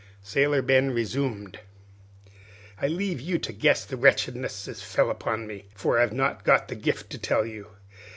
Sailor Ben resumed: "I leave you to guess the wretchedness as fell upon me, for I've not got the gift to tell you.